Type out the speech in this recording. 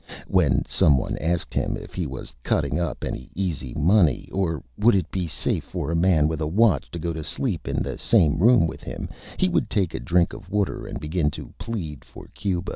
When some one asked him if he was cutting up any Easy Money or would it be safe for a Man with a Watch to go to Sleep in the same Room with him, he would take a Drink of Water and begin to plead for Cuba.